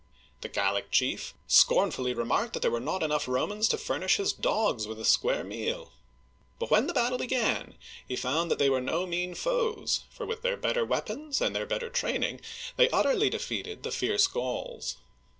The Gallic chief scornfully remarked that there were not enough Romans to furnish his dogs with a square meal ! But when the battle began, he found that they were no mean foes, for with their better weapons and their better training, they utterly defeated the fierce Gauls.